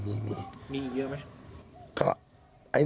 มีอีกเยอะไหม